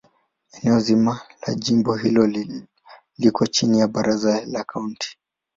Eneo zima la jimbo hili liko chini ya Baraza la Kaunti.